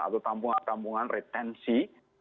atau tampungan tampungan retensi